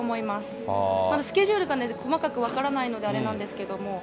まずスケジュールが細かく分からないのであれなんですけども。